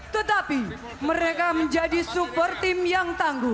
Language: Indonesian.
tetapi mereka menjadi support tim yang tangguh